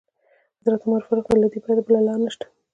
حضرت عمر فاروق وویل: له دې پرته بله لاره نشته.